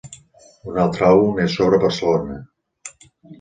Un altre àlbum és sobre Barcelona.